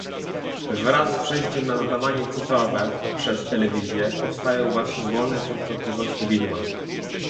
Wraz z przejściem na nadawanie cyfrowe przez telewizję, powstają właśnie wolne częstotliwości widma